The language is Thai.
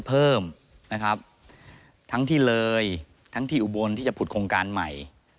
เพิ่มนะครับทั้งที่เลยทั้งที่อุบลที่จะผุดโครงการใหม่